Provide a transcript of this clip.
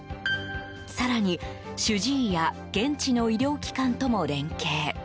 更に、主治医や現地の医療機関とも連携。